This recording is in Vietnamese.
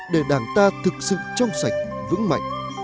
để đảng ta thực sự trong sạch vững mạnh